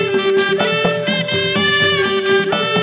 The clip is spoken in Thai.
โปรดติดตามต่อไป